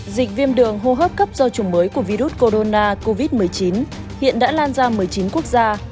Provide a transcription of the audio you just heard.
dịch viêm đường hô hấp cấp do chủng mới của virus corona covid một mươi chín hiện đã lan ra một mươi chín quốc gia